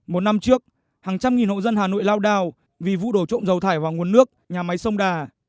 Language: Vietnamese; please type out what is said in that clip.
một năm trước hàng trăm nghìn hộ dân hà nội lao đào vì vụ đổ trộm dầu thải vào nguồn nước nhà máy sông đà